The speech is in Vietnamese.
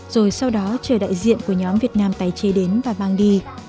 rồi sau đó chờ đại diện của nhóm việt nam tái chế đến và mang đi